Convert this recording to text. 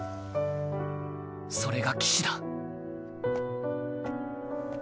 それが騎士だ。